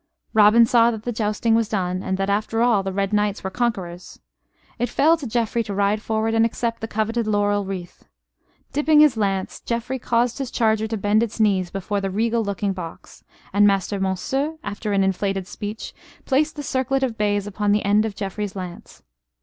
Robin saw that the jousting was done, and that, after all, the red knights were conquerors. It fell to Geoffrey to ride forward and accept the coveted laurel wreath. Dipping his lance, Geoffrey caused his charger to bend its knees before the regal looking box: and Master Monceux, after an inflated speech, placed the circlet of bays upon the end of Geoffrey's lance.